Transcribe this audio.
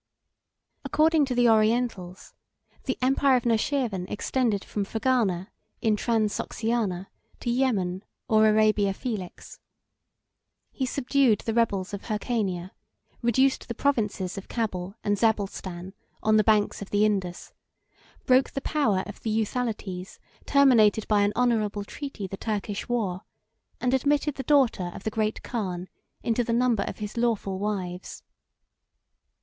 90 According to the Orientals, the empire of Nushirvan extended from Ferganah, in Transoxiana, to Yemen or Arabia Faelix. He subdued the rebels of Hyrcania, reduced the provinces of Cabul and Zablestan on the banks of the Indus, broke the power of the Euthalites, terminated by an honorable treaty the Turkish war, and admitted the daughter of the great khan into the number of his lawful wives.